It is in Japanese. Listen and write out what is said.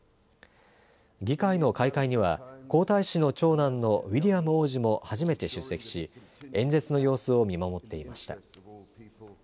議会の開会には皇太子の長男のウィリアム王子も初めて出席し演説の様子を見守っていました。